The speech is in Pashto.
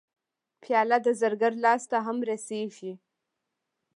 پیاله د زرګر لاس ته هم رسېږي.